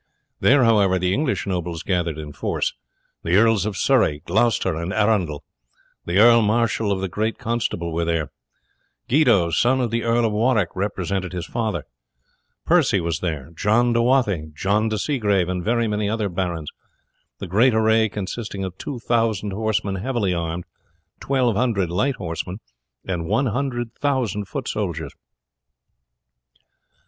There, however, the English nobles gathered in force. The Earls of Surrey, Gloucester, and Arundel; the Earl Mareschal and the great Constable were there; Guido, son of the Earl of Warwick, represented his father. Percy was there, John de Wathe, John de Seagrave, and very many other barons, the great array consisting of 2000 horsemen heavily armed, 1200 light horsemen, and 100,000 foot soldiers.